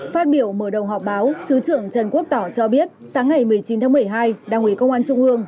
phát biểu mở đầu họp báo thứ trưởng trần quốc tỏ cho biết sáng ngày một mươi chín tháng một mươi hai đảng ủy công an trung ương